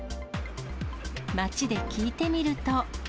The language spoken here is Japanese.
街で聞いてみると。